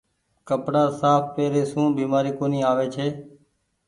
ڪپڙآ ساڦ پيري سون بيمآري ڪونيٚ آوي ڇي۔